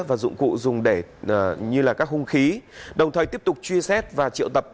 và dụng cụ dùng để các hung khí đồng thời tiếp tục truy xét và triệu tập